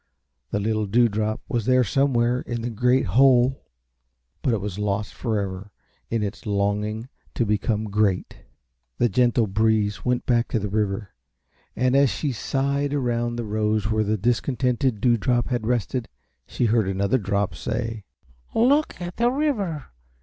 The little Dewdrop was there somewhere in the great whole, but it was lost forever in its longing to become great. The gentle breeze went back to the river, and as she sighed around the rose where the discontented Dewdrop had rested she heard another drop say: "Look at the river.